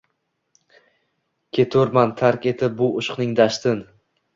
Keturman tark etib bu ishqning dashtin –